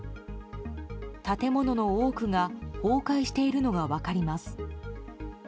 建物の多くが崩壊しているのが分かります。